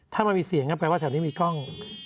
ถ้ามันมีเสียงก็แปลว่าแถวนี้มีกล้อง